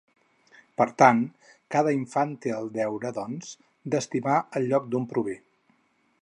Per tant, cada infant té el deure, doncs, d'estimar el lloc d'on prové.